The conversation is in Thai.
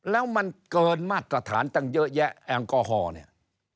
แล้วมันเกินมาตรฐานตั้งเยอะแยะแอลกอฮอล์เนี่ย